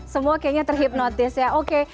semua kayaknya terhipnotis ya oke